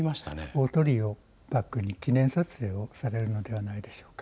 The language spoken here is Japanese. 大鳥居をバックに記念撮影をされるのではないでしょうか。